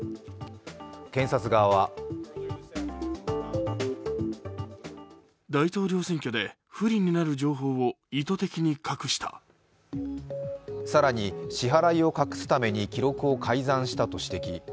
検察側は更に支払いを隠すために記録を改ざんしたと指摘。